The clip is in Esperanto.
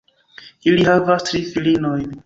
Ili havas tri filinojn.